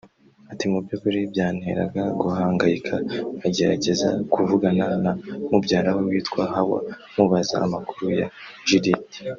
Ati “Mu byukuri byanteraga guhangayika nkagerageza kuvugana na mubyara we witwa “Hawa” mubaza amakuru ya Judithe